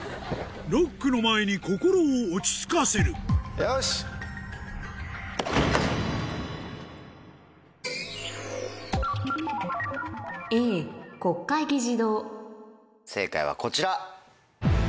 ＬＯＣＫの前に心を落ち着かせる正解はこちら。